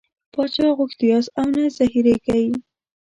باچا غوښتي یاست او نه زهرېږئ.